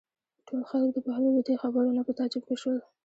ټول خلک د بهلول د دې خبرو نه په تعجب کې شول.